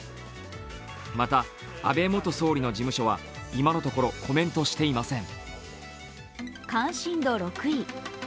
また、安倍元総理の事務所は今のところコメントしていません。